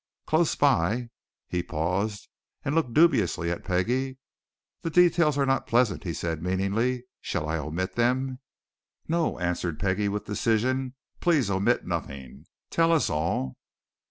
Close by " He paused and looked dubiously at Peggie. "The details are not pleasant," he said meaningly. "Shall I omit them?" "No!" answered Peggie with decision. "Please omit nothing. Tell us all."